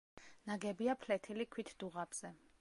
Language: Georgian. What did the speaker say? ნაგებია ფლეთილი ქვით დუღაბზე.